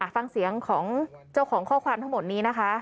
ฟังเสียงของเจ้าของข้อความทั้งหมดนี้นะคะ